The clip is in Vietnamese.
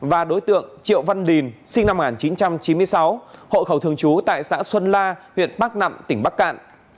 và đối tượng triệu văn đình sinh năm một nghìn chín trăm chín mươi sáu hộ khẩu thường trú tại xã xuân la huyện bắc nẵm tỉnh bắc cạn